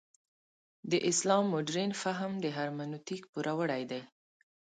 د اسلام مډرن فهم د هرمنوتیک پوروړی دی.